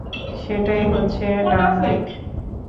সেটাই হচ্ছে ডানদিক।